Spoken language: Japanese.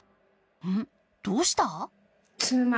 うん、どうした？